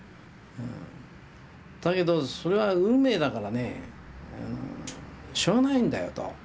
だけどそれは運命だからねしょうがないんだよと。